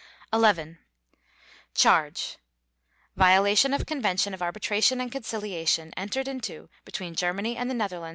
XI CHARGE: _Violation of Convention of Arbitration and Conciliation entered into between Germany and the Netherlands on 20 May 1926.